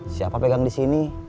siapa pegang disini